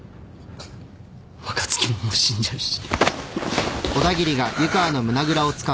若槻ももう死んじゃうし。